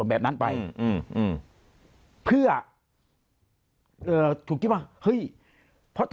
เสียชีวิต